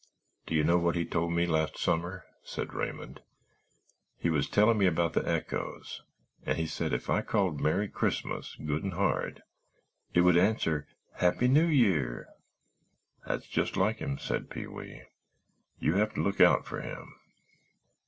"Do you know what he told me last summer?" said Raymond; "he was telling me about the echoes and he said if I called Merry Christmas good and hard it would answer Happy New Year!" "That's just like him," said Pee wee, "you have to look out for him.